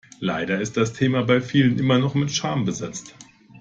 Leider ist das Thema bei vielen immer noch mit Scham besetzt.